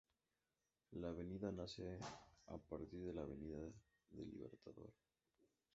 La avenida nace a partir de la Avenida del Libertador.